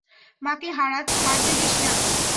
মাকে হারতে দিস না।